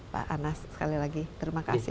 pak anas sekali lagi terima kasih